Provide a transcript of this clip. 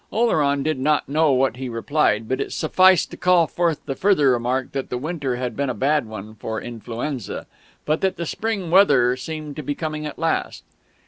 Oleron did not know what he replied, but it sufficed to call forth the further remark that the winter had been a bad one for influenza, but that the spring weather seemed to be coming at last....